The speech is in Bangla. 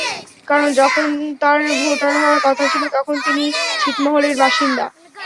কারণ যখন তাঁর ভোটার হওয়ার কথা ছিল, তখন তিনি ছিটমহলের বাসিন্দা।